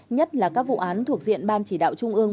nhất là các vụ án thuộc diện ban chỉ đạo trung ương